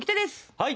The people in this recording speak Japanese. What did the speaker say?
はい！